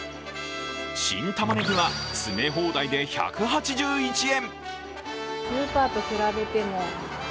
新たまねぎは詰め放題で１８１円。